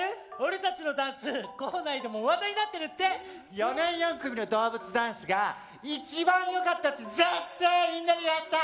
４年４組の動物ダンスが一番よかったって絶対みんなに言わせたい！